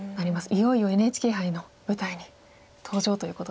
いよいよＮＨＫ杯の舞台に登場ということですが。